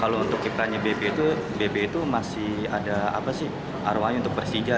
kalau untuk kiprahnya bp itu bp itu masih ada arwahnya untuk bersija